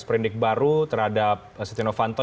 perindik baru terhadap setia novanto